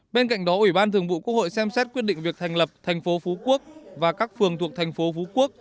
bên cạnh đó ubthq xem xét quyết định việc thành lập thành phố phú quốc và các phường thuộc thành phố phú quốc